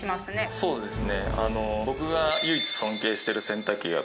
そうですね。